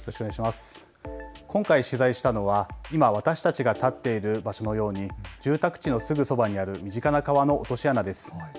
今回取材したのは今、私たちが立っている場所のように住宅地のすぐそばにある身近な川の落とし穴です。